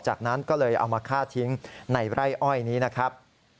จากนั้นก็เลยเอามาฆ่าทิ้งในไร่อ้อยนี้นะครับ